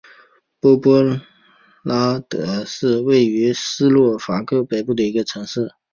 波普拉德是位于斯洛伐克北部的一个城市。